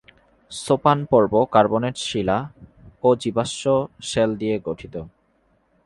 সোপান পর্ব কার্বোনেট শিলা ও জীবাশ্ম শেল দিয়ে গঠিত।